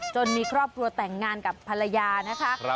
มีครอบครัวแต่งงานกับภรรยานะคะ